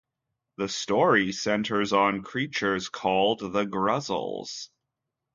The story centers on creatures called "The Gruzzles".